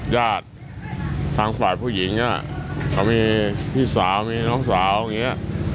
ญาติทางฝ่ายผู้หญิงเขามีพี่สาวมีน้องสาวอย่างนี้